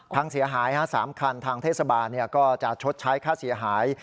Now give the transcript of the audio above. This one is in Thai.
พังเสียหาย๓คันทางเทศบาลก็จะชดใช้ค่าเสียหาย